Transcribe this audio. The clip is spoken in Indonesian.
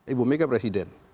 ibu mega presiden